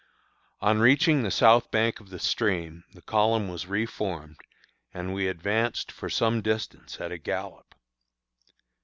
On reaching the south bank of the stream, the column was re formed, and we advanced for some distance at a gallop.